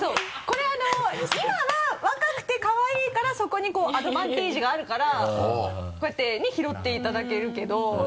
これ今は若くてかわいいからそこにこうアドバンテージがあるからこうやってね拾っていただけるけど。